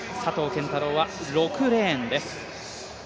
拳太郎は６レーンです。